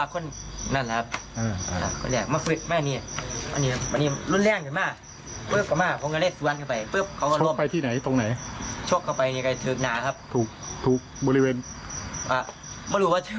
คนที่ล้ม